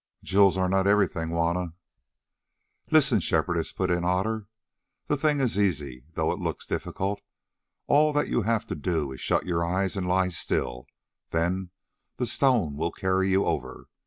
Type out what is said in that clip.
"Jewels are not everything, Juanna." "Listen, Shepherdess," put in Otter, "the thing is easy, though it looks difficult. All that you have to do is to shut your eyes and lie still, then the stone will carry you over.